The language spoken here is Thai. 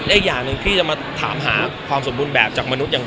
อีกอย่างหนึ่งที่จะมาถามหาความสมบูรณ์แบบจากมนุษย์อย่าง